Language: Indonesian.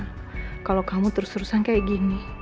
karena kalau kamu terus terusan kayak gini